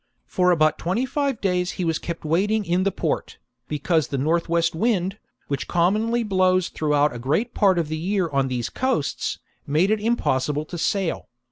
For about twenty five days he was kept waiting in the port, because the north west wind, which commonly blows throughout a great part of the year on these coasts, made it impossible to sail.